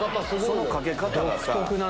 そのかけ方がさ。